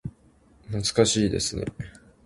懐かしいですね。